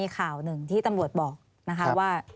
คุณบอกว่า